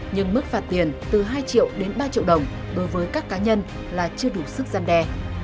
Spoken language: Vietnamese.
nhưng mức phạt tiền từ hai triệu đến ba triệu đồng đối với các cá nhân là chưa đủ sức gian đe